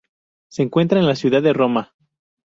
Se encuentra en la ciudad de Roma.